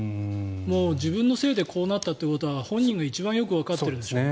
自分のせいでこうなったということは本人が一番よくわかってるんですよ。